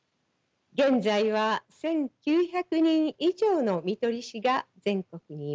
現在は１，９００人以上の看取り士が全国にいます。